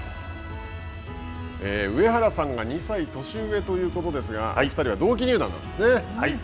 上原さんが２歳年上ということですが２人は同期入団なんですね。